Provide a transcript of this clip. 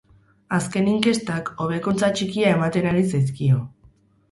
Azken inkestak hobekuntza txikia ematen ari zaizkio.